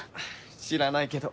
知らないけど。